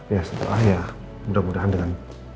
ya setelah ya mudah mudahan dengan